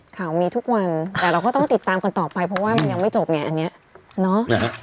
ข่าวมีทุกวันแต่เราก็ต้องติดตามกันต่อไปเพราะว่ามันยังไม่จบไงอันนี้เนาะ